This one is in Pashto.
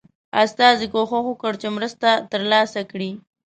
استازي کوښښ وکړ چې مرسته ترلاسه کړي.